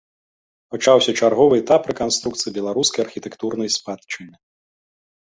Пачаўся чарговы этап рэканструкцыі беларускай архітэктурнай спадчыны.